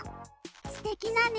すてきなね